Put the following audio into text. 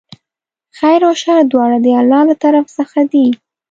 خیر او شر دواړه د الله له طرفه څخه دي.